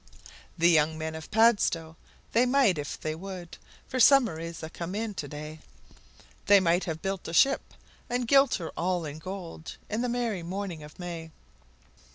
The young men of Padstow, they might if they would For summer is a come in to day They might have built a ship, and gilt her all in gold, In the merry morning of May!